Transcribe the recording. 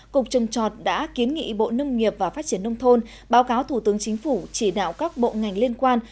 cục trồng trọt đã kiến nghị bộ nông nghiệp và phát triển nông thôn báo cáo thủ tướng chính phủ chỉ đạo các bộ ngành liên quan